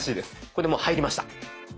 これでもう入りました。